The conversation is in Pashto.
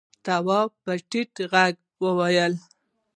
تواب په ټيټ غږ وويل: